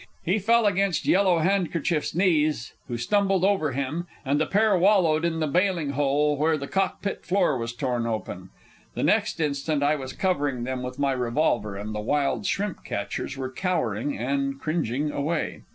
He fell against Yellow Handkerchief's knees, who stumbled over him, and the pair wallowed in the bailing hole where the cockpit floor was torn open. The next instant I was covering them with my revolver, and the wild shrimp catchers were cowering and cringing away.